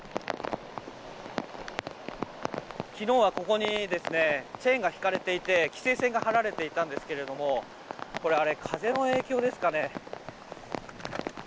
昨日ここにはチェーンが引かれていて規制線が張られていたんですけどこれ、風の影響ですかね。